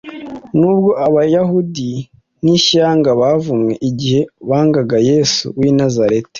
Nubwo Abayahudi nk’ishyanga bavumwe igihe bangaga Yesu w’i Nazareti,